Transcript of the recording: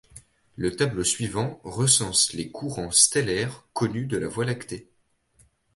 Le tableau suivant recense les courants stellaires connus de la Voie lactée.